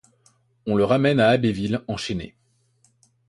On le ramène à Abbeville, enchaîné.